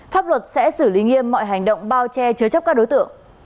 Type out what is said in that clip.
pháp luật sẽ xử lý nghiêm mọi hành động bao che chứa chấp các đối tượng